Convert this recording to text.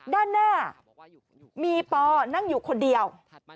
ด้านหน้ามีปอนั่งอยู่คนเดียว